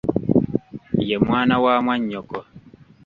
Ye mwana wa mwannyoko.